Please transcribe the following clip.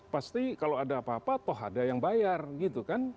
pasti kalau ada apa apa toh ada yang bayar gitu kan